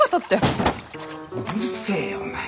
うるせえよお前。